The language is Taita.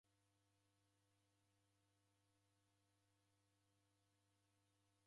W'andu w'atini w'asowa magome ghezoya zoghori.